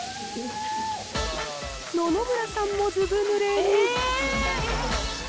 野々村さんもずぶぬれに。